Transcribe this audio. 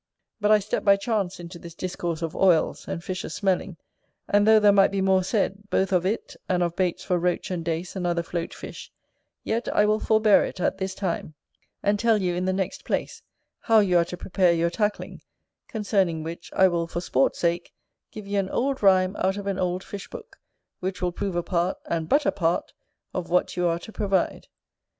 But I stepped by chance into this discourse of oils, and fishes smelling; and though there might be more said, both of it and of baits for Roach and Dace and other float fish, yet I will forbear it at this time, and tell you, in the next place, how you are to prepare your tackling: concerning which, I will, for sport sake, give you an old rhyme out of an old fish book; which will prove a part, and but a part, of what you are to provide.